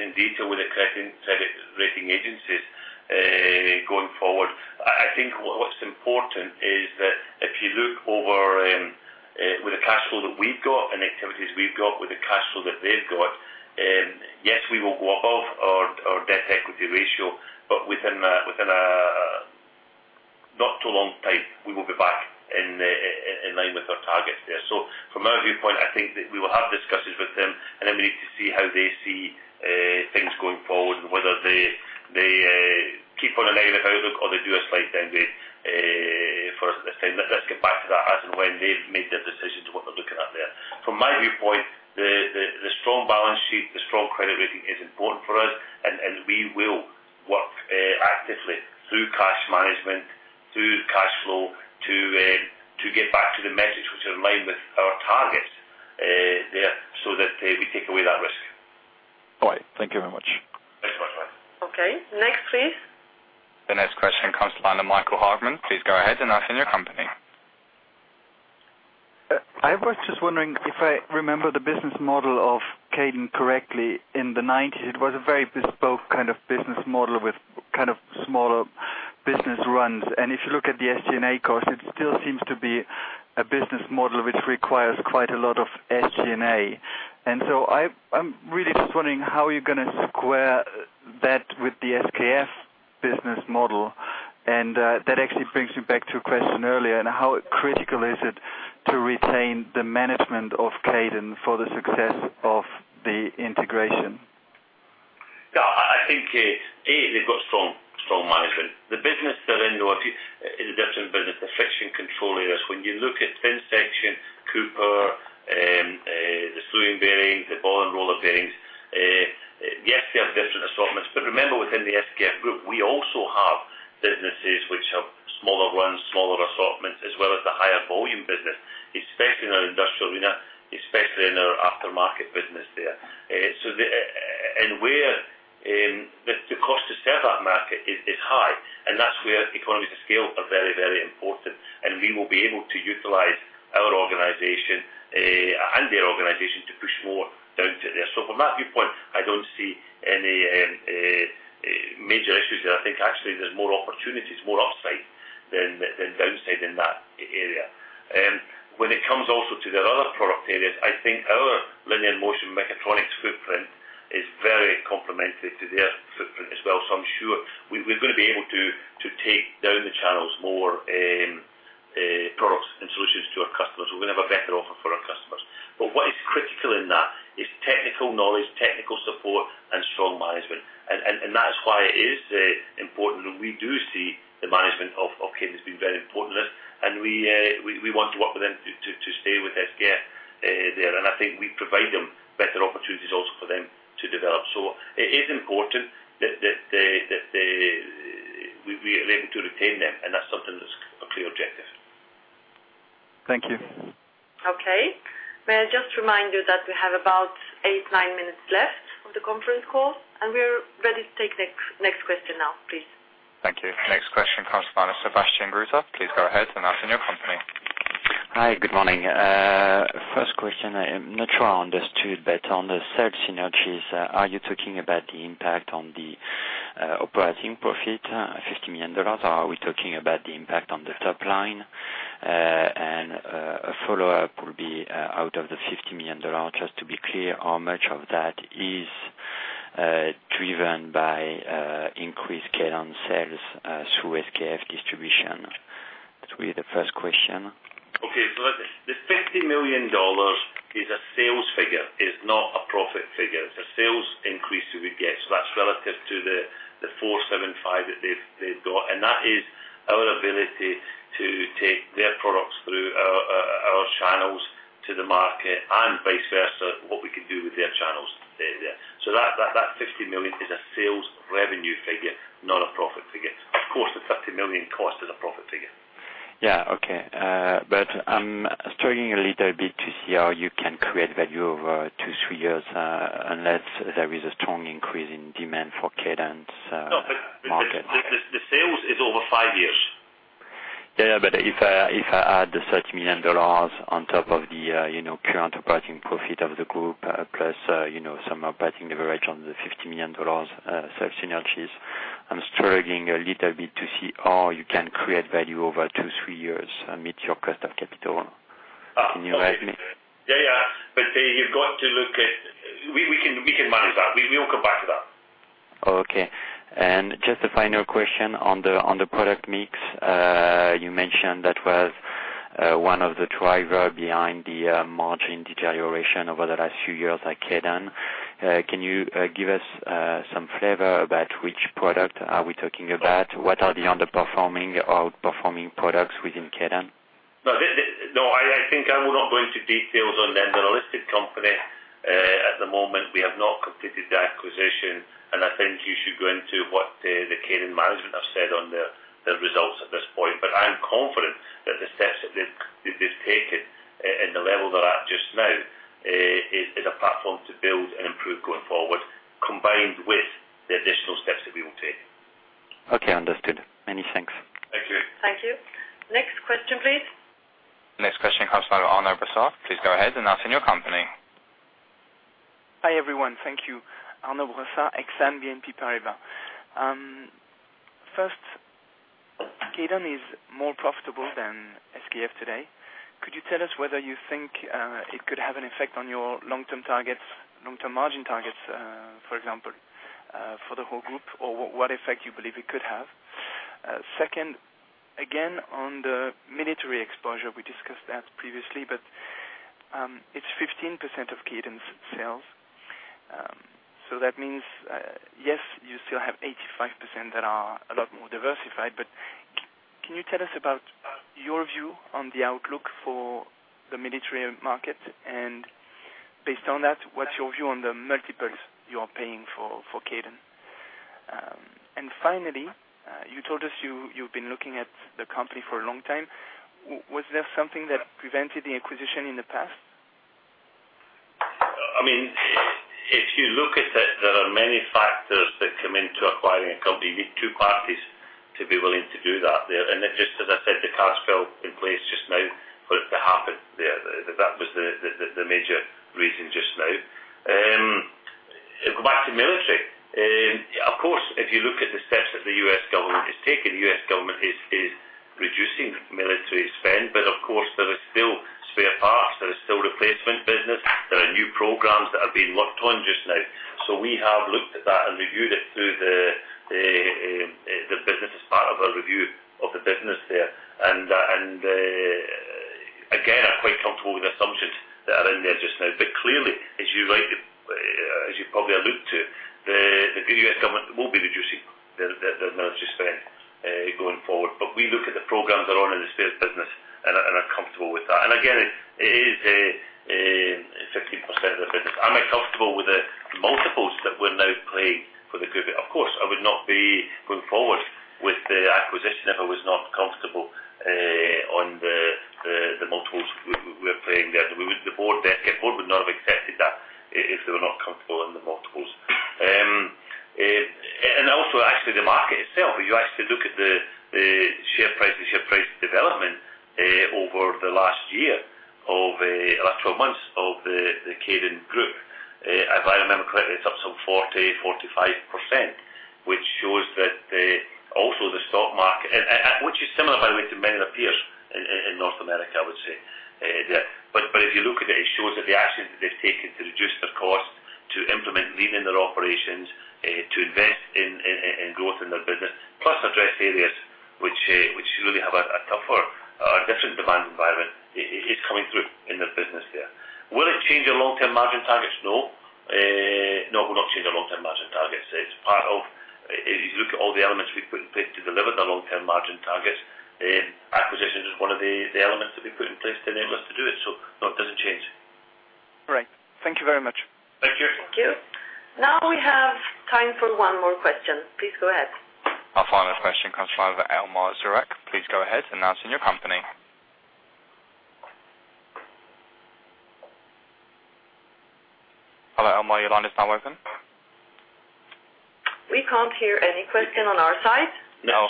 in detail with the credit rating agencies going forward. I think what's important is that if you look over with the cash flow that we've got and activities we've got, with the cash flow that they've got, yes, we will go above our debt equity ratio, but within a not too long time, we will be back in line with our targets there. So from my viewpoint, I think that we will have discussions with them, and then we need to see how they see things going forward, and whether they keep on a negative outlook or they do a slight downgrade for us at this time. Let's get back to that as and when they've made their decision to what they're looking at there. From my viewpoint, the strong balance sheet, the strong credit rating is important for us, and we will work actively through cash management, through cash flow, to get back to the message which are in line with our targets there, so that we take away that risk. All right. Thank you very much. Thanks, Matt. Okay, next, please. The next question comes to line of Michael Hagmann. Please go ahead and announce in your company. I was just wondering if I remember the business model of Kaydon correctly. In the nineties, it was a very bespoke kind of business model with kind of smaller business runs. And if you look at the SG&A costs, it still seems to be a business model which requires quite a lot of SG&A. And, that actually brings me back to a question earlier, and how critical is it to retain the management of Kaydon for the success of the integration? No, I think they've got strong, strong management. The business they're in, though, is a different business, the friction control areas. When you look at thin section, Cooper, the slewing bearings, the ball and roller bearings, yes, they are different assortments. But remember, within the SKF group, we also have businesses which have smaller runs, smaller assortments, as well as the higher volume business, especially in our industrial unit, especially in our aftermarket business there. So the cost to serve that market is high, and that's where economies of scale are very, very important. And we will be able to utilize our organization and their organization to push more down to there. So from that viewpoint, I don't see any major issues there. I think, actually, there's more opportunities, more upside than downside in that area. When it comes also to their other product areas, I think our linear motion mechatronics footprint is very complementary to their footprint as well. So I'm sure we're gonna be able to take down the channels more, products and solutions to our customers. We're gonna have a better offer for our customers. But what is critical in that is technical knowledge, technical support, and strong management. And that is why it is important, and we do see the management of Kaydon as being very important to us. And we want to work with them to stay with SKF there. And I think we provide them better opportunities also for them to develop. So it is important that they. We are able to retain them, and that's something that's a clear objective. Thank you. Okay. May I just remind you that we have about 8, 9 minutes left of the conference call, and we're ready to take next, next question now, please. Thank you. Next question comes from Sebastian Growe. Please go ahead and announce your company. Hi, good morning. First question, I am not sure I understood, but on the sales synergies, are you talking about the impact on the, operating profit, $50 million, or are we talking about the impact on the top line? A follow-up will be, out of the $50 million, just to be clear, how much of that is, driven by, increased Kaydon sales, through SKF distribution? That will be the first question. Okay. So the $50 million is a sales figure, it's not a profit figure. It's a sales increase that we get. So that's relative to the 475 that they've got, and that is our ability to take their products through our channels to the market and vice versa, what we could do with their channels there. So that $50 million is a sales revenue figure, not a profit figure. Of course, the $50 million cost is a profit figure. Yeah, okay. But I'm struggling a little bit to see how you can create value over 2-3 years, unless there is a strong increase in demand for Kaydon's market. The sales is over five years. Yeah, but if I, if I add the $30 million on top of the, you know, current operating profit of the group, plus, you know, some operating leverage on the $50 million, sales synergies, I'm struggling a little bit to see how you can create value over two-three years and meet your cost of capital. Can you guide me? Yeah, yeah. But you've got to look at. We can manage that. We will come back to that. Okay. And just a final question on the product mix. You mentioned that was one of the driver behind the margin deterioration over the last few years at Kaydon. Can you give us some flavor about which product are we talking about? What are the underperforming or outperforming products within Kaydon? No, I think I will not go into details on them. They're a listed company. At the moment, we have not completed the acquisition, and I think you should go into what the Kaydon management have said on their results at this point. But I am confident that the steps that they've taken and the level they're at just now is a platform to build and improve going forward, combined with the additional steps that we will take. Okay, understood. Many thanks. Thank you. Thank you. Next question, please. Next question comes from Arnaud Brossard. Please go ahead and announce your company. Hi, everyone. Thank you. Arnaud Brossard, Exane BNP Paribas. First, Kaydon is more profitable than SKF today. Could you tell us whether you think it could have an effect on your long-term targets, long-term margin targets, for example, for the whole group? Or what, what effect you believe it could have? Second, again, on the military exposure, we discussed that previously, but it's 15% of Kaydon's sales. So that means, yes, you still have 85% that are a lot more diversified, but can you tell us about your view on the outlook for the military market? And based on that, what's your view on the multiples you are paying for Kaydon? And finally, you told us you, you've been looking at the company for a long time. Was there something that prevented the acquisition in the past? I mean, if you look at it, there are many factors that come into acquiring a company. You need two parties to be willing to do that there. And it just, as I said, the cards fell in place just now for it to happen there. That was the major reason just now. Go back to military. Of course, if you look at the steps that the U.S. government has taken, the U.S. government is reducing military spending, but of course, there is still spare parts, there is still replacement business, there are new programs that are being worked on just now. So we have looked at that and reviewed it through the bid for a review of the business there. And again, I'm quite comfortable with the assumptions that are in there just now. But clearly, as you right, as you probably allude to, the U.S. government will be reducing their military spend going forward. But we look at the programs that are on in this business and are comfortable with that. And again, it is a 15% of the business. Am I comfortable with the multiples that we're now playing for the group? Of course, I would not be going forward with the acquisition if I was not comfortable on the multiples we're playing there. The board would not have accepted that if they were not comfortable in the multiples. And also actually the market itself, if you actually look at the, the share price, the share price development, over the last year of, last 12 months of the, theKaydon Group, if I remember correctly, it's up some 40%-45%, which shows that the. Also, the stock market, which is similar, by the way, to many of their peers in, in North America, I would say. But if you look at it, it shows that the actions that they've taken to reduce their costs, to implement lean in their operations, to invest in, in growth in their business, plus address areas which really have a, a tougher, a different demand environment, it's coming through in their business there. Will it change their long-term margin targets? No. No, it will not change their long-term margin targets. It's part of. If you look at all the elements we put in place to deliver the long-term margin targets, acquisitions is one of the elements that we put in place to enable us to do it. So, no, it doesn't change. Great. Thank you very much. Thank you. Thank you. Now we have time for one more question. Please go ahead. Our final question comes from Elmar Zurek. Please go ahead and announce in your company. Hello, Elmar, your line is now open. We can't hear any question on our side. No.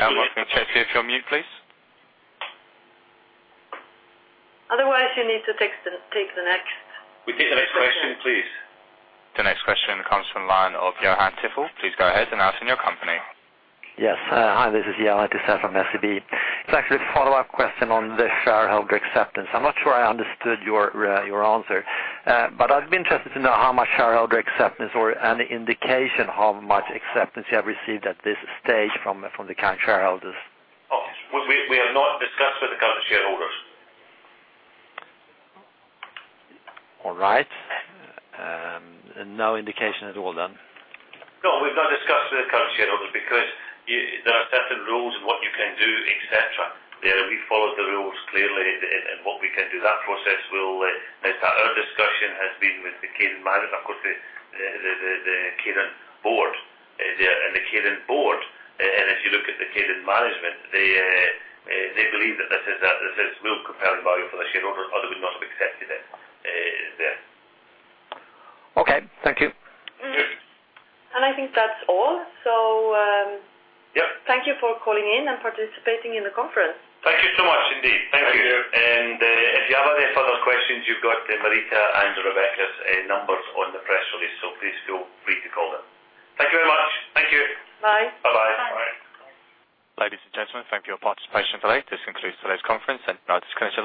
Elmar, can you check if you're mute, please? Otherwise, you need to take the next- We take the next question, please. The next question comes from the line of Johan Eliason. Please go ahead and announce your company. Yes. Hi, this is Johan Eliason from SEB. Thank you. Just a follow-up question on the shareholder acceptance. I'm not sure I understood your, your answer, but I'd be interested to know how much shareholder acceptance or any indication how much acceptance you have received at this stage from the, from the current shareholders? Oh, we have not discussed with the current shareholders. All right. And no indication at all, then? No, we've not discussed with the current shareholders because there are certain rules in what you can do, et cetera, there. We followed the rules clearly in what we can do. That process will, our discussion has been with the Kaydon manager, of course, the Kaydon board, there, and the Kaydon board, and if you look at the Kaydon management, they, they believe that this is a, this is real compelling value for the shareholder, or they would not have accepted it, there. Okay, thank you. Yes. I think that's all. Yeah. Thank you for calling in and participating in the conference. Thank you so much, indeed. Thank you. If you have any further questions, you've got Marita and Rebecca's numbers on the press release, so please feel free to call them. Thank you very much. Thank you. Bye. Bye-bye. Bye. Ladies and gentlemen, thank you for your participation today. This concludes today's conference, and now disconnect your line.